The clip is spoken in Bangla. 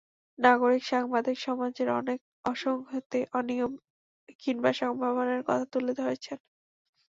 নাগরিক সাংবাদিক সমাজের অনেক অসংগতি, অনিয়ম কিংবা সম্ভাবনার কথা তুলে ধরছেন।